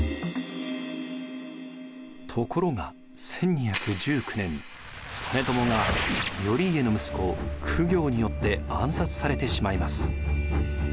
ところが１２１９年実朝が頼家の息子公暁によって暗殺されてしまいます。